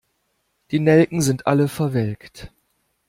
Die Nelken sind alle verwelkt.